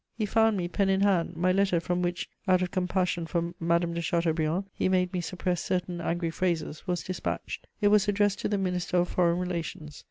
He found me pen in hand: my letter, from which, out of compassion for Madame de Chateaubriand, he made me suppress certain angry phrases, was despatched; it was addressed to the Minister of Foreign Relations.